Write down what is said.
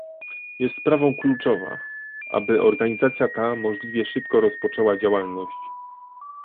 Jest sprawą kluczowa, aby organizacja ta możliwie szybko rozpoczęła działalność